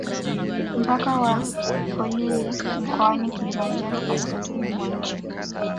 Mpaka wa Holili mkoani Kilimanjaro kaskazizini mwa nchi